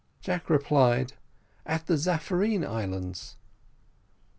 Jack replied, "At the Zaffarine Islands."